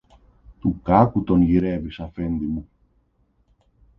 του κάκου τον γυρεύεις, Αφέντη μου!